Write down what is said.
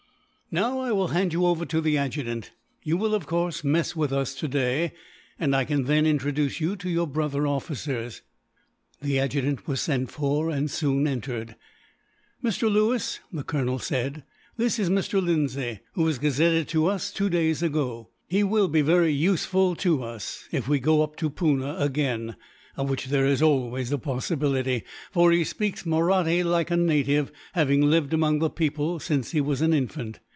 "Now, I will hand you over to the adjutant. You will, of course, mess with us today; and I can then introduce you to your brother officers." The adjutant was sent for, and soon entered. "Mr. Lewis," the colonel said, "this is Mr. Lindsay, who was gazetted to us two days ago. He will be very useful to us, if we go up to Poona again of which there is always a possibility for he speaks Mahratti like a native, having lived among the people since he was an infant.